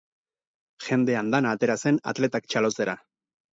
Jende andana atera zen atletak txalotzera.